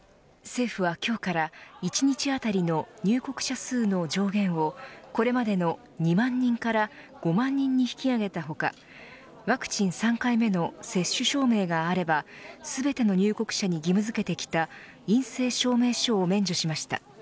政府は今日から１日あたりの入国者数の上限をこれまでの２万人から５万人に引き上げた他ワクチン３回目の接種証明があれば全ての入国者に義務付けてきた陰性証明書を免除しました。